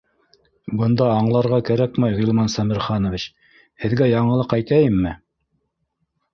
— Бында аңларға кәрәкмәй, Ғилман Сәмерханович, һеҙ гә яңылыҡ әйтәйемме?